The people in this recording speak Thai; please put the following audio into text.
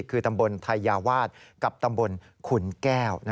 คือตำบลไทยยาวาสกับตำบลขุนแก้ว